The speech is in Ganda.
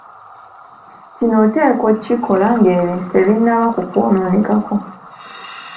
Kino oteekwa okukikola ng'ebintu tebinnaba kukwonoonekako.